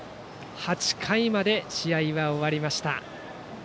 ８回まで試合は終わりました。